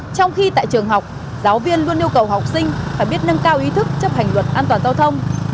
trong khi tại trường học giáo viên luôn yêu cầu học sinh phải biết nâng cao ý thức chấp hành luật an toàn giao thông